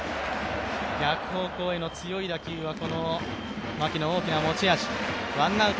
逆方向への強い打球は牧の持ち味。